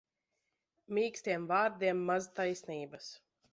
Mīkstiem vārdiem maz taisnības.